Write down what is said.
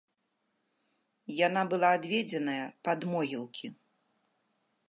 Яна была адведзеная пад могілкі.